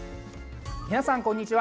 皆さん、こんにちは。